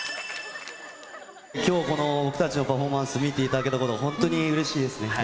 今日僕たちのパフォーマンス見ていただけたことは本当にうれしいですね。